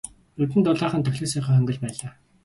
Нүдэнд дулаахан тохилог сайхан хонгил байлаа.